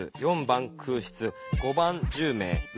４番空室５番１０名。